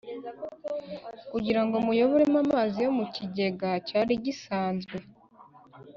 kugira ngo muyoboremo amazi yo mu kigega cyari gisanzwe.